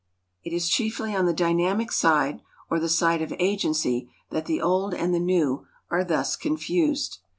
It is chiefly on the dynamic side, or the side of agency, that the old and the new are thus confused.